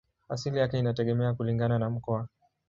Asili yake inategemea kulingana na mkoa.